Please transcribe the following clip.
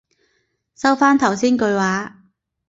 收返頭先句話